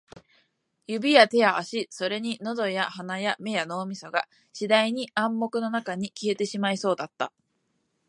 指や手や足、それに喉や鼻や目や脳みそが、次第に暗闇の中に消えてしまいそうだった